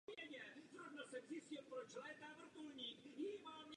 Nuceně nasazení nebyli homogenní skupinou.